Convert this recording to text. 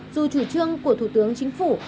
dù chủ trương của thủ tướng chính phủ